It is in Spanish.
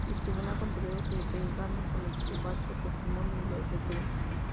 El Tribunal consideró que De Gamas cometió falso testimonio y lo detuvo.